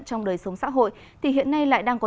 trong đời sống xã hội thì hiện nay lại đang có